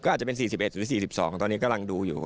อาจจะเป็น๔๑หรือ๔๒ตอนนี้กำลังดูอยู่